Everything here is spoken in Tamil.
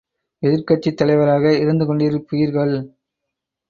எதிர்க்கட்சித் தலைவராக இருந்துகொண்டிருந்திருப்பீர்கள்.